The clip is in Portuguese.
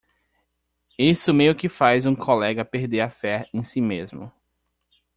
Isso meio que faz um colega perder a fé em si mesmo.